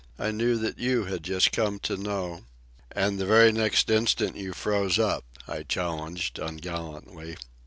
. I knew that you had just come to know ..." "And the very next instant you froze up," I charged ungallantly.